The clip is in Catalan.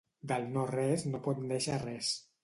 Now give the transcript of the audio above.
Del no-res no pot néixer res.